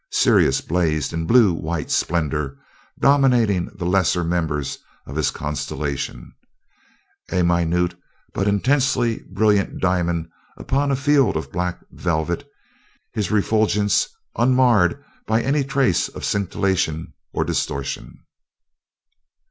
Sirius blazed in blue white splendor, dominating the lesser members of his constellation, a minute but intensely brilliant diamond upon a field of black velvet his refulgence unmarred by any trace of scintillation or distortion.